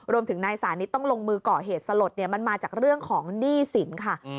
รวมถึงนายสานิทต้องลงมือก่อเหตุสลดมันมาจากเรื่องของหนี้สินค่ะ